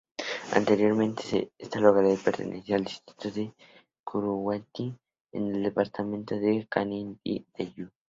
Anteriormente esta localidad pertenecía al distrito de Curuguaty, en el departamento de Canindeyú.